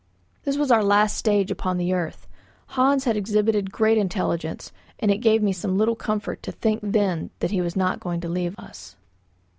This was our last stage upon the earth. Hans had exhibited great intelligence, and it gave me some little comfort to think then that he was not going to leave us.